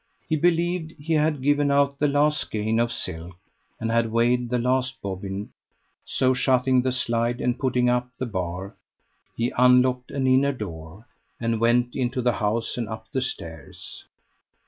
He believed he had given out the last skein of silk, and had weighed the last bobbin, so shutting the slide, and putting up the bar, he unlocked an inner door, and went into the house and up the stairs.